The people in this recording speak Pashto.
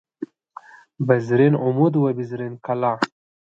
بزرین عمود و بزرین کلاه